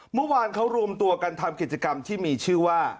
เมื่อวานเขารวมตัวกันทำกิจกรรมที่มีชื่อว่า